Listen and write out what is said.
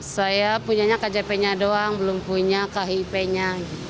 saya punyanya kjp nya doang belum punya kip nya